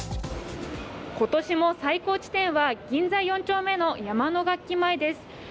今年も最高地点は銀座４丁目の山野楽器前です。